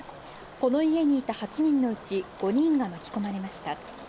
この家にいた８人のうち５人が巻き込まれました。